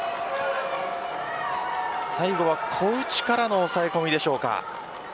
最後は小内からの抑え込みでしょうか。